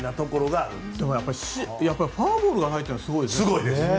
でも、やっぱりフォアボールがないというのはすごいですよね。